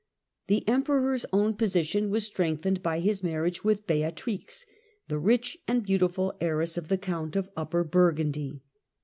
The Emperor's own position was strengthened by his marriage with Beatrix, the rich and beautiful heiress of the Count of Upper Burgundy.